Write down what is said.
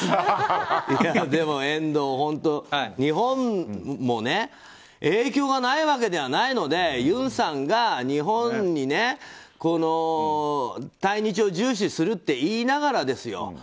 でも遠藤、本当日本も影響がないわけではないのでユンさんが日本に対日を重視するって言いながらですよ。